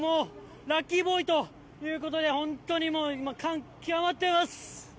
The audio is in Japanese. ラッキーボーイということで、本当にもう、感極まってます。